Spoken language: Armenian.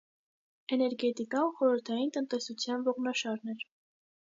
Էներգետիկան խորհրդային տնտեսության ողնաշարն էր։